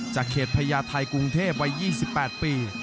เขตพญาไทยกรุงเทพวัย๒๘ปี